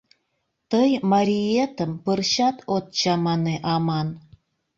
Тый мариетым пырчат от чамане аман...